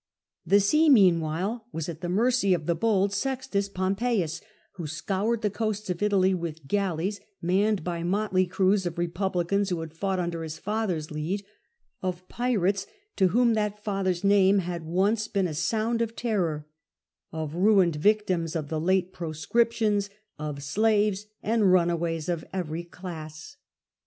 The sea meanwhile was at the mercy of the bold Sextus Pompeius, who scoured the coasts of Italy with galleys manned by motley crews of republicans who had fought under his father's lead, of pirates to whom that father^s name had been once a sound of terror, of ruined victims of the late proscriptions, of slaves and runaways of every class.